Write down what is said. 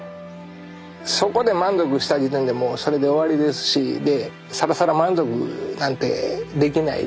そこで満足した時点でもうそれで終わりですしでさらさら満足なんてできないですし。